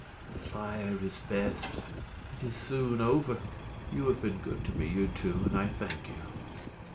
The fire is best; it is soon over. You have been good to me, you two, and I thank you."